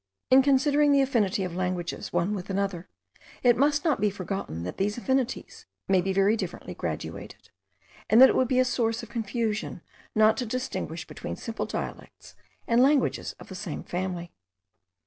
In considering the affinity of languages one with another, it must not be forgotten that these affinities may be very differently graduated; and that it would be a source of confusion not to distinguish between simple dialects and languages of the same family.